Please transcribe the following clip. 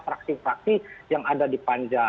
fraksi fraksi yang ada di panja